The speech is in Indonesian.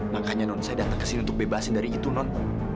makanya non saya datang ke sini untuk bebasin dari itu non